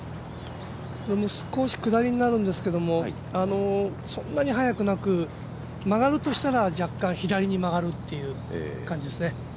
少し下りになるんですけどそんなに速くなく、曲がるとしたら若干左に曲がるっていう感じですね。